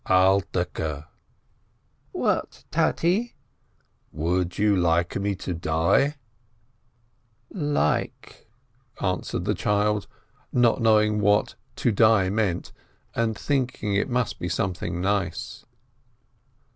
"Alterke!" "What, Tate?" "Would you like me to die?" "Like," answered the child, not knowing what "to die" meant, and thinking it must be something nice.